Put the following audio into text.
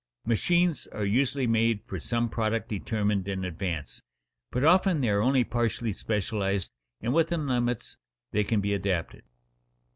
Machines are usually made for some product determined in advance, but often they are only partially specialized and within limits they can be adapted.